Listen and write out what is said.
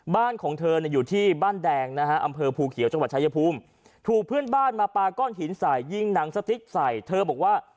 บ้านของเธออยู่ที่บ้านแดงนะฮะอำเภอภูเขียวจังหวัดชายภูมิถูกเพื่อนบ้านมาปาก้อนหินใส่ยิงหนังสติ๊กใส่เธอบอกว่า